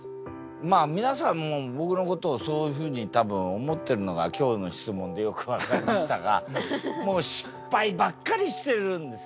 まあ皆さんも僕のことをそういうふうに多分思ってるのが今日の質問でよく分かりましたがもう失敗ばっかりしてるんですよ。